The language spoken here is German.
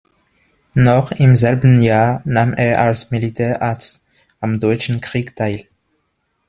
Noch im selben Jahr nahm er als Militärarzt am Deutschen Krieg teil.